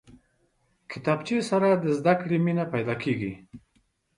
کتابچه سره د زده کړې مینه پیدا کېږي